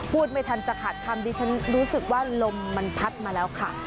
พูดไม่ทันจะขาดคำดิฉันรู้สึกว่าลมมันพัดมาแล้วค่ะ